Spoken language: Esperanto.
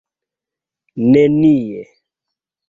nenie